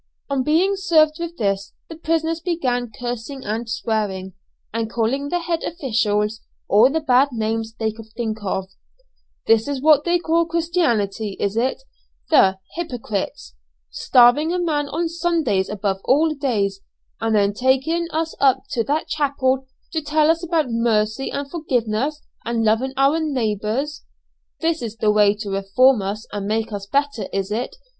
On being served with this, the prisoners began cursing and swearing, and calling the head officials all the bad names they could think of: "This is what they call Christianity, is it, the hypocrites? Starving a man on Sundays above all days, and then taking us up to that chapel to tell us about mercy and forgiveness and loving our neighbours! This is the way to reform us and make us better, is it?